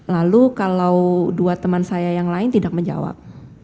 lalu kalau dua teman saya yang lain tidak menjawab